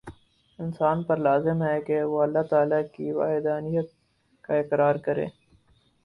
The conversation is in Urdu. انسان پر لازم ہے کہ وہ اللہ تعالی کی وحدانیت کا اقرار کرے